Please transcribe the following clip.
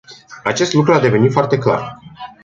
Acest lucru a devenit foarte clar.